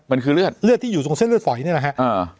มันคือเลือดเลือดที่อยู่ตรงเส้นเลือดฝอยนี่แหละฮะ